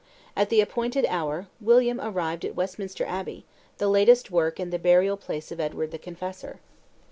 At the appointed hour, William arrived at Westminster Abbey, the latest work and the burial place of Edward the Confessor.